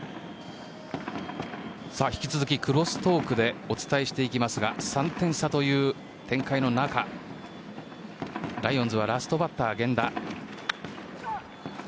引き続きクロストークでお伝えしていきますが３点差という展開の中ライオンズはラストバッター、源田。